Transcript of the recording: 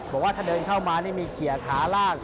บอกว่าถ้าเดินเข้ามานี่มีเขียขาล่าง